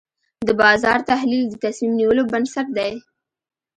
د بازار تحلیل د تصمیم نیولو بنسټ دی.